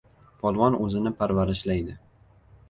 Polvon o‘zini parvarishlaydi.